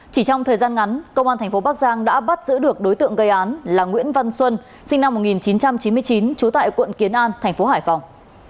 chỉ trong thời gian ngắn công an tp bắc giang đã bắt giữ được đối tượng gây án là nguyễn văn xuân sinh năm một nghìn chín trăm chín mươi chín trú tại quận kiến an tp hải phòng